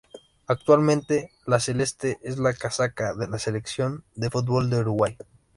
Actualmente "la Celeste" es la casaca de la Selección de fútbol de Uruguay.